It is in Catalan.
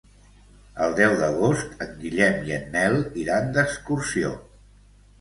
El deu d'agost en Guillem i en Nel iran d'excursió.